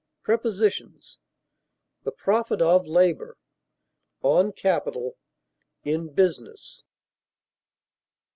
Prepositions: The profit of labor; on capital; in business.